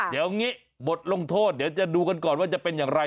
เดี๋ยวนี้บทลงโทษเดี๋ยวจะดูกันก่อนว่าจะเป็นอย่างไร